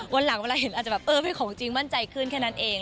วันหลังเวลาเห็นอาจจะแบบเออเป็นของจริงมั่นใจขึ้นแค่นั้นเอง